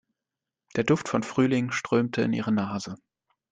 Der Duft von Frühling strömte in ihre Nase.